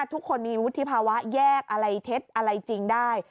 ทุกคนมีวุฒิภาวะแยกทดอะไรจริงได้